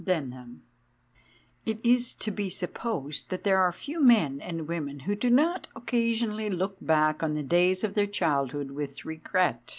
Denham. IT is to be supposed that there are few men and women, who do not occasionally look back on the days of their childhood with regret.